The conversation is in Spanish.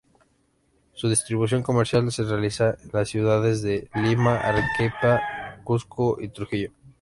Su distribución comercial se realizaba en las ciudades de Lima, Arequipa, Cuzco y Trujillo.